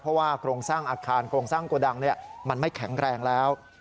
เพราะว่ากลงสร้างอัคคารกลงสร้างกัวดังมันไม่แข็งแรงแล้ว